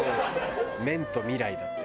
「麺と未来」だって。